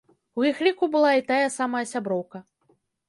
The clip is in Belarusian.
У іх ліку была і тая самая сяброўка.